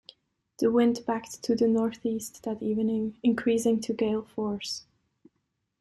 The wind backed to the northeast that evening, increasing to gale force.